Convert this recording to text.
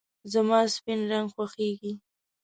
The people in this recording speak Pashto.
زما سپین رنګ خوښېږي .